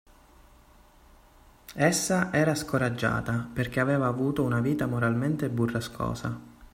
Essa era scoraggiata, perché aveva avuta una vita moralmente burrascosa.